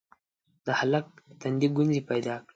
د هلک تندي ګونځې پيدا کړې: